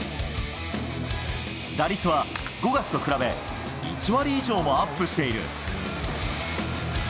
打率は５月と比べ、１割以上もアップしている。